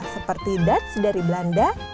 seperti dutch dari belanda